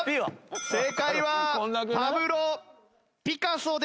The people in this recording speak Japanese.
正解はパブロ・ピカソでした。